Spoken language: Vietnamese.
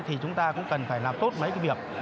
thì chúng ta cũng cần phải làm tốt mấy cái việc